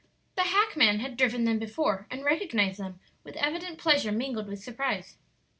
The hackman had driven them before, and recognized them with evident pleasure mingled with surprise.